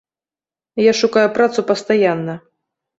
Я шукаю працу пастаянна.